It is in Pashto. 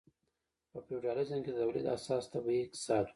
په فیوډالیزم کې د تولید اساس طبیعي اقتصاد و.